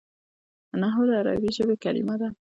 نحوه د عربي ژبي کلیمه ده.